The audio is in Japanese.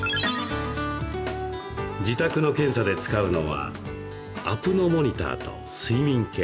自宅の検査で使うのはアプノモニターと睡眠計。